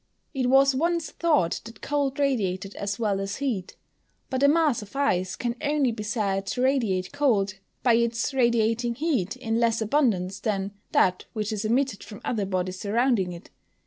_ It was once thought that cold radiated as well as heat. But a mass of ice can only be said to radiate cold, by its radiating heat in less abundance than that which is emitted from other bodies surrounding it.